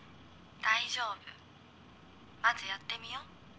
大丈夫まずやってみよ。